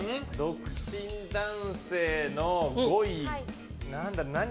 独身男性の５位。